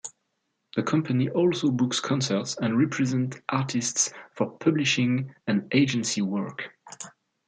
The company also books concerts and represent artists for publishing and agency work.